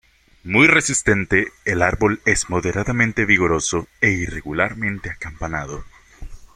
Muy resistente, el árbol es moderadamente vigoroso e irregularmente acampanado.